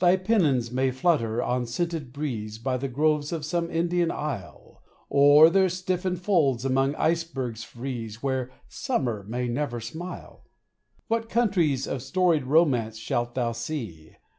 Thy pennons may flutter on scented breeze By the groves of some Indian isle, Or their stiffened folds among icebergs freeze, Where summer may never smile. What countries of storied romance shalt thou see